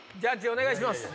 お願いします。